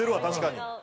確かに。